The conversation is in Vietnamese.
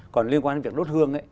còn liên quan đến việc đốt hương ấy